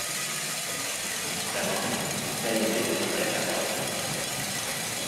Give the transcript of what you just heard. De van, de indiai kajával.